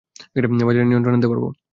বাজার নিয়ন্ত্রণে আনতে পারবো।